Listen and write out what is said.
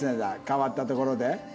代わったところで。